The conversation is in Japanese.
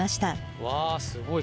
わすごい。